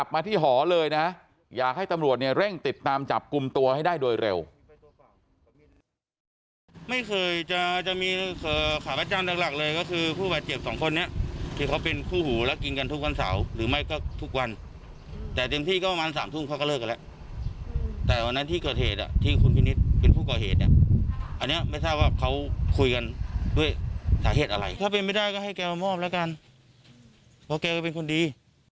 เพราะแกก็เป็นคนดี